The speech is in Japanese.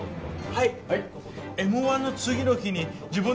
はい。